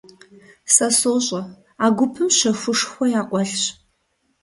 Сэ сощӀэ, а гупым щэхушхуэ якъуэлъщ.